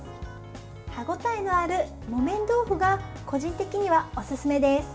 歯応えのある木綿豆腐が個人的にはおすすめです。